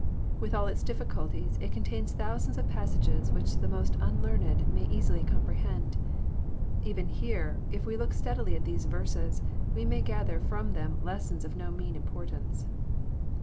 With all its difficulties it contains thousands of passages which tbe most unlearned may easily comprehend. Even here, if we look steadily at these verses, we may gather from them lessons of no mean importance.